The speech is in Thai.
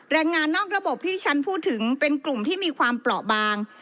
แรงงานนอกระบบที่ที่ฉันพูดถึงเป็นกลุ่มที่มีความเปราะบาง